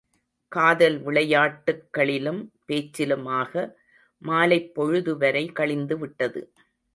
காதல் விளையாட்டுக்களிலும் பேச்சிலுமாக மாலைப் பொழுதுவரை கழிந்துவிட்டது.